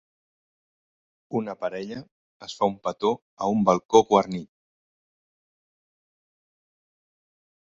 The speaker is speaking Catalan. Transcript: Una parella es fa un petó a un balcó guarnit.